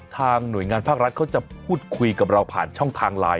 ทางหน่วยงานภาครัฐเขาจะพูดคุยกับเราผ่านช่องทางไลน์